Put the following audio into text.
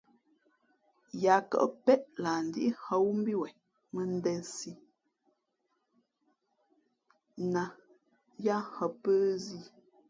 Yāā kαʼ péʼ lah ndíhᾱ wú mbí wen mᾱndēnsī nά ā yáá hᾱ pə́ zī.